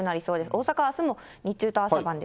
大阪はあすも日中と朝晩で。